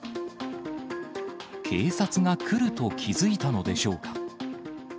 警察が来ると気付いたのでしょうか。